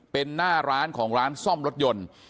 เป็นหน้าร้านของร้านซ่อมรถยนต์